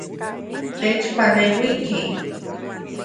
Techpaleuiki.